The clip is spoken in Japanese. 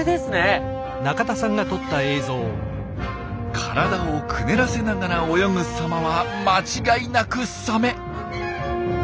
体をくねらせながら泳ぐ様は間違いなくサメ！